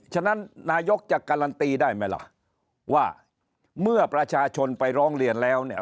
ฉะนั้นนายกจะการันตีได้ไหมล่ะว่าเมื่อประชาชนไปร้องเรียนแล้วเนี่ย